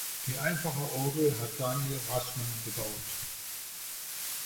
Die einfache Orgel hat Daniel Raßmann gebaut.